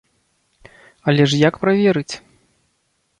Але ж як праверыць?